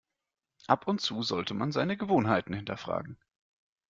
Ab und zu sollte man seine Gewohnheiten hinterfragen.